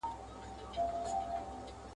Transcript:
شپو ته مي خوبونه لکه زلفي زولانه راځي ..